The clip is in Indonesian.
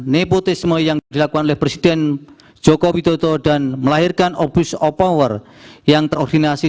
nepotisme yang dilakukan oleh presiden joko widodo dan melahirkan abuse of power yang terordinasi